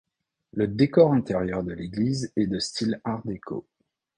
Le décor intérieur de l'église est de style art déco.